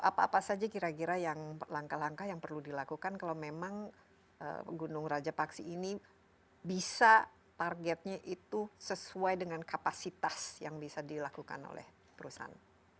apa apa saja kira kira yang langkah langkah yang perlu dilakukan kalau memang gunung raja paksi ini bisa targetnya itu sesuai dengan kapasitas yang bisa dilakukan oleh perusahaan